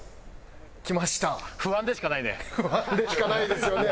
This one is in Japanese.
不安でしかないですよね。